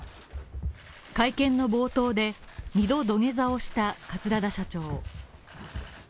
会見の冒頭で、２度、土下座をした桂田社長。